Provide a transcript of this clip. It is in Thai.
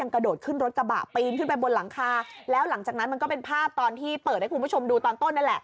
กระโดดขึ้นรถกระบะปีนขึ้นไปบนหลังคาแล้วหลังจากนั้นมันก็เป็นภาพตอนที่เปิดให้คุณผู้ชมดูตอนต้นนั่นแหละ